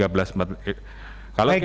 kalau kita tidak tegak